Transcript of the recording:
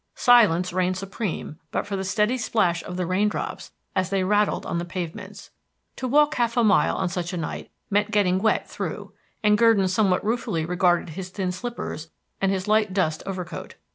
Silence reigned supreme but for the steady plash of the raindrops as they rattled on the pavements. To walk half a mile on such a night meant getting wet through; and Gurdon somewhat ruefully regarded his thin slippers and his light dust overcoat.